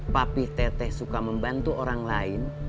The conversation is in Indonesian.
papi teteh suka membantu orang lain